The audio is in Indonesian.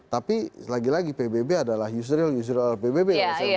tapi lagi lagi pbb adalah israel israel adalah pbb